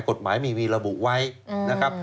กฎหมายไม่มีวีระบุไว้นะครับ